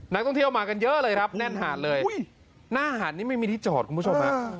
นักท่องเที่ยวมากันเยอะเลยครับแน่นหาดเลยหน้าหาดนี่ไม่มีที่จอดคุณผู้ชมฮะ